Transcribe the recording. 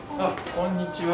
こんにちは。